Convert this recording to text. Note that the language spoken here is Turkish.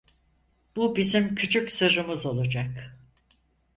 Bu bizim küçük sırrımız olacak.